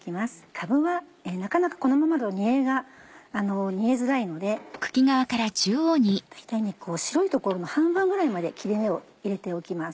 かぶはなかなかこのままだと煮えづらいので大体白い所の半分ぐらいまで切れ目を入れておきます。